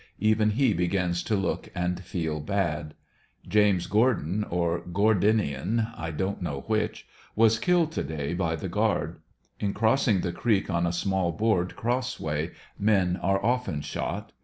Even he begins to look and feel bad. James Gordan, or Gordenian, (I don't know which) was killed to day by the ^uard. In crossing the creek on a small board crossway men are often shot.